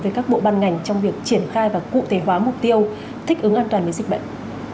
với các bộ ban ngành trong việc triển khai và cụ thể hóa mục tiêu thích ứng an toàn với dịch bệnh